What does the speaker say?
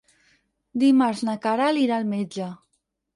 Dimarts na Queralt irà al metge.